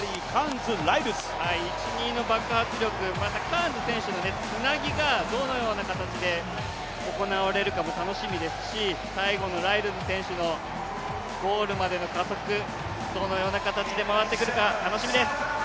１、２の爆発力、またカーンズ選手のつなぎがどのような形で行われるかも楽しみですし、最後のライルズ選手のどのような形で回ってくるか楽しみです。